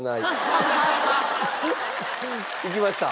いきました？